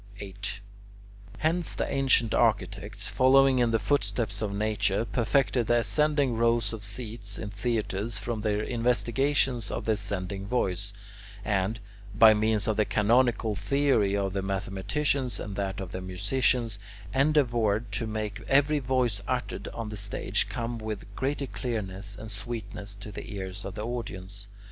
8. Hence the ancient architects, following in the footsteps of nature, perfected the ascending rows of seats in theatres from their investigations of the ascending voice, and, by means of the canonical theory of the mathematicians and that of the musicians, endeavoured to make every voice uttered on the stage come with greater clearness and sweetness to the ears of the audience.